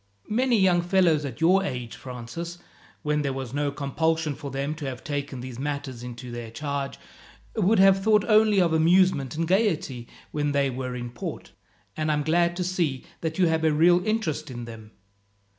"Many young fellows at your age, Francis, when there was no compulsion for them to have taken these matters into their charge, would have thought only of amusement and gaiety when they were in port, and I am glad to see that you have a real interest in them.